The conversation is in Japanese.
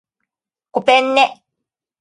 ごぺんね